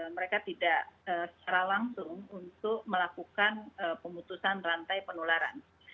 mereka tidak secara langsung untuk melakukan pemutusan rantai penularan